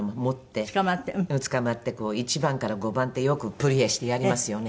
つかまって１番から５番ってよくプリエしてやりますよね？